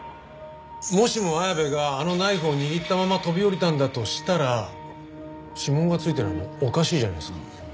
もしも綾部があのナイフを握ったまま飛び降りたんだとしたら指紋がついてないのおかしいじゃないですか。